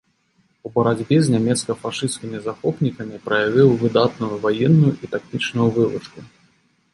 У барацьбе з нямецка-фашысцкімі захопнікамі праявіў выдатную ваенную і тактычную вывучку.